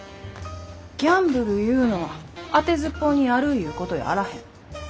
ギャンブルいうのはあてずっぽうにやるいうことやあらへん。